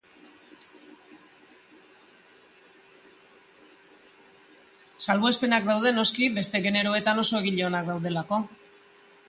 Salbuespenak daude, noski, beste generoetan oso onak diren egileak daudelako.